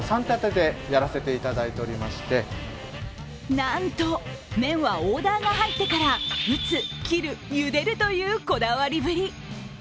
なんと、麺はオーダーが入ってから打つ、切る、ゆでるというこだわりぶり。